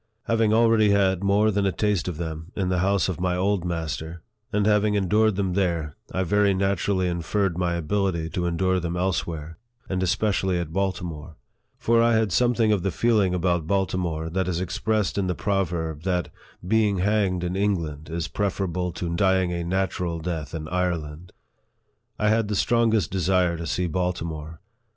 Having already had more than a taste of them in the house of my old master, and having en dured them there, I very naturally inferred my ability to endure them elsewhere, and especially at Baltimore ; LIFE OF FREDERICK DOUGLASS. 29 for I had something of the feeling about Baltimore that is expressed in the proverb, that " being hanged in England is preferable to dying a natural death in Ire land." I had the strongest desire to see Baltimore.